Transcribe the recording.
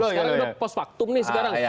sekarang sudah pos faktum nih sekarang